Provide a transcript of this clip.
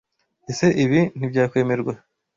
Ese Ibi ntibyakwemerwa.